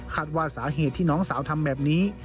ว่าสาเหตุที่น้องสาวทำแบบนี้